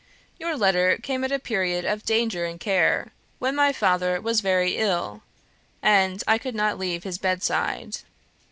Your letter came at a period of danger and care, when my father was very ill, and I could not leave his bedside.